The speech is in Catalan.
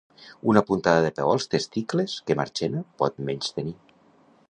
Una puntada de peu als testicles que Marchena pot menystenir.